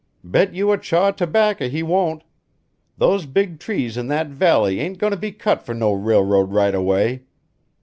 "Bet you a chaw o' tobacco he won't. Those big trees in that valley ain't goin' to be cut for no railroad right o' way.